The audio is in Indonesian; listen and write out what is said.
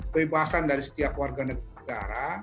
kebebasan dari setiap warga negara